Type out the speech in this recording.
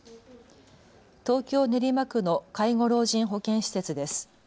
東京練馬区の介護老人保健施設です。